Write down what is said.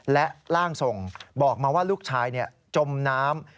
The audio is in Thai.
และร่างทรงบอกมาว่าลูกชายจมน้ำ